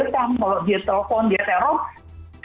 kalau dia telepon dia serok